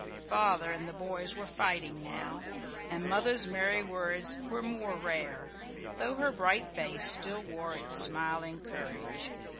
Father and the boys were fighting now, and mother's merry words were more rare, though her bright face still wore its smiling courage.